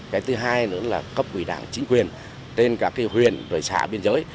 cái thứ hai nữa là cấp quỷ đảng chính quyền trên các huyền rời xã biên giới